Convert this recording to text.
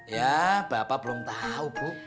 ya bapak belum tahu bu